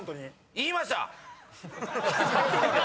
言いました！